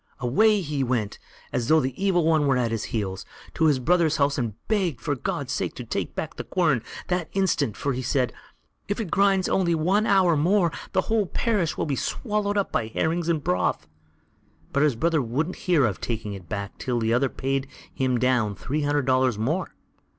Away he went, as though the Evil One were at his heels, to his brother's house, and begged him for God's sake to take back the quern that instant; for, said he: "If it grinds only one hour more, the whole parish will be swallowed up by herrings and broth." But his brother wouldn't hear of taking it back till the other paid him down three hundred dollars more.